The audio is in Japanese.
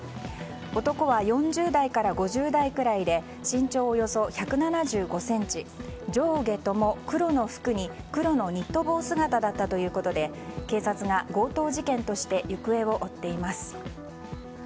男は４０代から５０代くらいで身長およそ１７５ｃｍ上下とも黒の服に、黒のニット帽姿だったということで警察が強盗事件として行方を追っています。